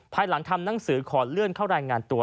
ภายหลังทำหนังสือขอเลื่อนเข้ารายงานตัว